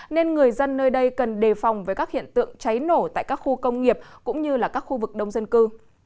nên người dân nơi đây cần đề phòng với các hiện tượng cháy nổ tại các khu công nghiệp cũng như là các khu vực đông dân cư